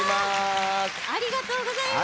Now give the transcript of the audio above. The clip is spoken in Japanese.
ありがとうございます。